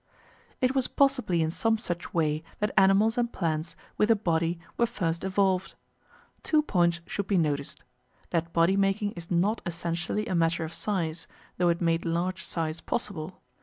It was possibly in some such way that animals and plants with a body were first evolved. Two points should be noticed, that body making is not essentially a matter of size, though it made large size possible.